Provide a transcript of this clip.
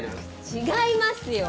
違いますよ。